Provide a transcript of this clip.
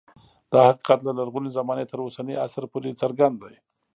دا حقیقت له لرغونې زمانې تر اوسني عصر پورې څرګند دی